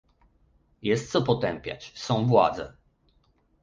Jest co potępiać, są władze